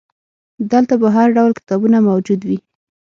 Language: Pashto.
دلته به هرډول کتابونه موجود وي.